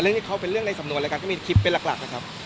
ที่เขาเป็นเรื่องในสำนวนรายการก็มีคลิปเป็นหลักนะครับ